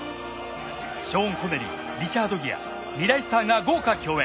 ショーン・コネリーリチャード・ギア２大スターが豪華共演。